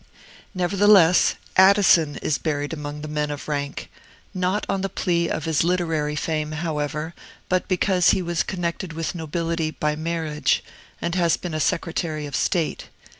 Nevertheless, Addison is buried among the men of rank; not on the plea of his literary fame, however, but because he was connected with nobility by marriage, and had been a Secretary of State.